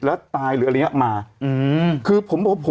แล้วตายหรืออะไรอย่างนี้มา